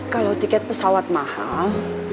kalau tiket pesawat mahal